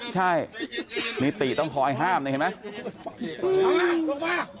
ใช่มีตีต้องคอยห้ามนะเห็นไหม